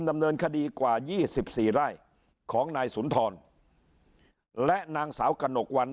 ดำเนินคดีกว่ายี่สิบสี่ไร่ของนายสุนทรและนางสาวกระหนกวัน